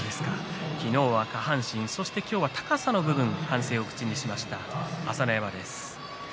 昨日は下半身今日は高さの部分反省を口にしました朝乃山です。